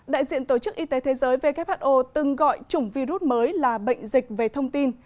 đại diện tổ chức y tế thế giới who từng gọi chủng virus mới là bệnh dịch về thông tin